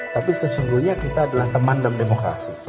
tapi sesungguhnya kita adalah teman dalam demokrasi